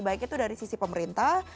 baik itu dari sisi pemerintah